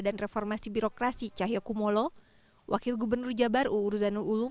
dan reformasi birokrasi cahyokumolo wakil gubernur jabar uur zanul ulum